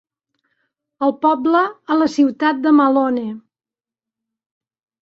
El poble a la ciutat de Malone.